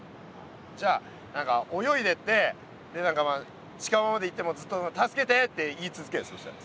じゃあ何か泳いでってで何かまあ近場まで行ってもうずっと「助けて」って言い続けるそしたら。